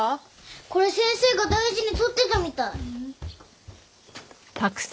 これ先生が大事に取ってたみたい。